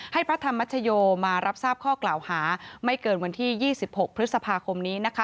พระธรรมชโยมารับทราบข้อกล่าวหาไม่เกินวันที่๒๖พฤษภาคมนี้นะคะ